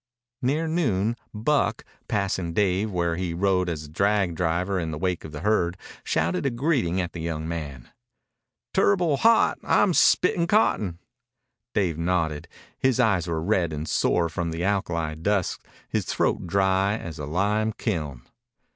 Near noon Buck, passing Dave where he rode as drag driver in the wake of the herd, shouted a greeting at the young man. "Tur'ble hot. I'm spittin' cotton." Dave nodded. His eyes were red and sore from the alkali dust, his throat dry as a lime kiln.